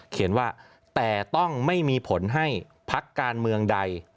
เขียนว่าแต่ต้องไม่มีผลให้พักการเมืองใด